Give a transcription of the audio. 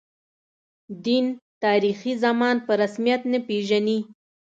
دین، تاریخي زمان په رسمیت نه پېژني.